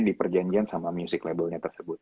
diperjanjian sama music labelnya tersebut